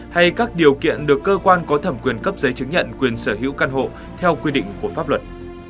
hay các điều kiện được cơ quan có thẩm quyền cấp giấy chứng nhận quyền sở hữu căn hộ theo quy định của pháp luật